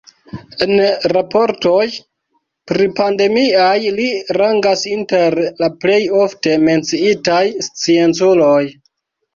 En raportoj pripandemiaj li rangas inter la plej ofte menciitaj scienculoj.